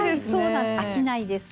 飽きないです。